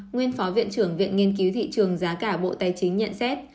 nguyên phó viện trưởng viện nghiên cứu thị trường giá cả bộ tài chính nhận xét